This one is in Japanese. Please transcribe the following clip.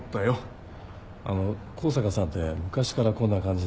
あの香坂さんって昔からこんな感じだったんですか？